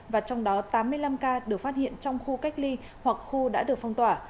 và trong đó tám mươi năm ca được phát hiện trong khu cách ly hoặc khu đã được phong tỏa